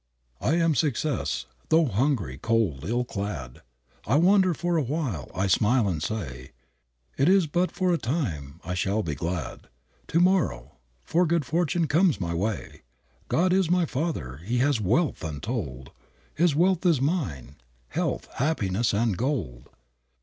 "I am success. Though hungry, cold, ill clad, I wander for a while. I smile and say, 'It is but for a time I shall be glad To morrow, for good fortune comes my way. God is my father, He has wealth untold, His wealth is mine, health, happiness and gold.'"